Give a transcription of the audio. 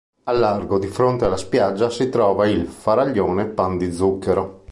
Al largo, di fronte alla spiaggia, si trova il faraglione Pan di Zucchero.